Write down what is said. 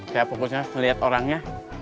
saya fokusnya melihat orangnya